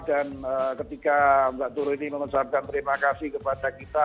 dan ketika mbak turini mengucapkan terima kasih kepada kita